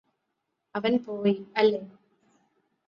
അവന് പോയി അല്ലേ